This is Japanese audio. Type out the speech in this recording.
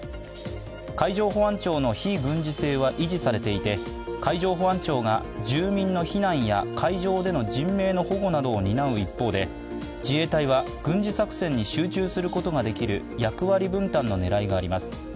海上保安庁の非軍事性は維持されていて、海上保安庁が住民の避難や海上での人命の保護などを担う一方で、自衛隊は軍事作戦に集中することができる役割分担の狙いがあります。